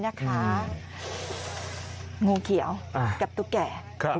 งูเขียวกับตุ๊กแก่